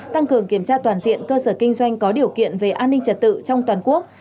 tăng cường kiểm tra toàn diện cơ sở kinh doanh có điều kiện về an ninh trật tự trong toàn quốc